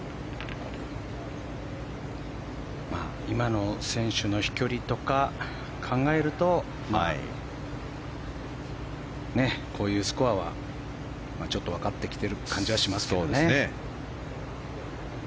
今の選手の飛距離とかを考えるとこういうスコアはちょっと分かってきてる感じはしますが。